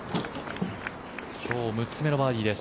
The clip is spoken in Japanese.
今日６つ目のバーディーです。